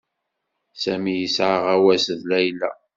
Sami yesɛa aɣawas d Layla.